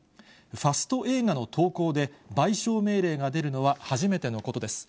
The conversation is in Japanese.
ファスト映画の投稿で、賠償命令が出るのは初めてのことです。